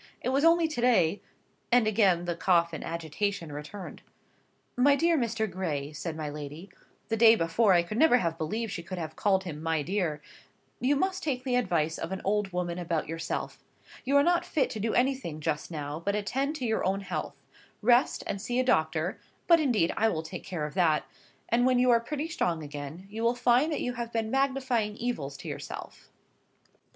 It was only to day—" and again the cough and agitation returned. "My dear Mr. Gray," said my lady (the day before I could never have believed she could have called him My dear), "you must take the advice of an old woman about yourself. You are not fit to do anything just now but attend to your own health: rest, and see a doctor (but, indeed, I will take care of that), and when you are pretty strong again, you will find that you have been magnifying evils to yourself."